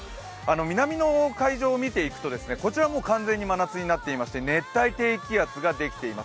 南の海上を見ていくと、こちらは完全な真夏の形になっていて熱帯低気圧ができています。